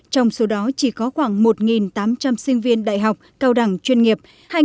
trong số đó chỉ có khoảng một tám trăm linh sinh viên đại học cao đẳng chuyên nghiệp